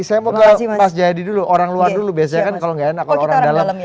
saya mau ke mas jayadi dulu orang luar dulu biasanya kan kalau nggak enak kalau orang dalam